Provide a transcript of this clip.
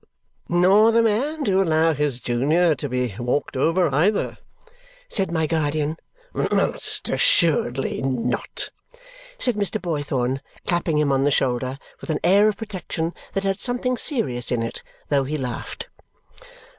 Ha, ha, ha!" "Nor the man to allow his junior to be walked over either?" said my guardian. "Most assuredly not!" said Mr. Boythorn, clapping him on the shoulder with an air of protection that had something serious in it, though he laughed.